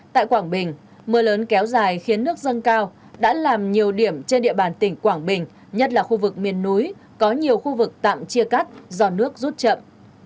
tại quảng bình mưa lớn kéo dài khiến nước dâng cao đã làm nhiều điểm trên địa bàn tỉnh quảng bình nhất là khu vực miền núi có nhiều khu vực tạm chia cắt do nước rút chậm